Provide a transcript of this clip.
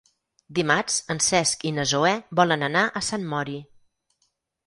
Dimarts en Cesc i na Zoè volen anar a Sant Mori.